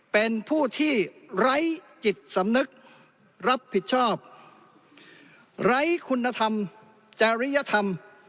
เป็นผู้ที่ไร้จิตสำนึกรับผิดชอบไร้คุณธรรมจริยธรรม